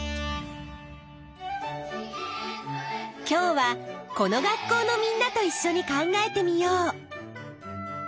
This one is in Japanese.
今日はこの学校のみんなといっしょに考えてみよう！